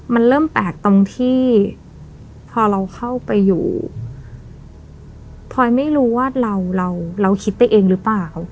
มันเริ่มแปลกตรงที่พอเราเข้าไปอยู่พลอยไม่รู้ว่าเราเราคิดไปเองหรือเปล่า